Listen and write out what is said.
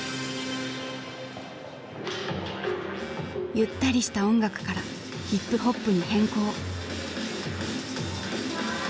ゆったりした音楽からヒップホップに変更。